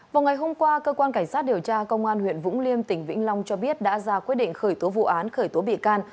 vào ngày hôm qua cơ quan cảnh sát điều tra công an huyện vũng liêm tỉnh vĩnh long cho biết đã ra quyết định khởi tố vụ án khởi tố bị can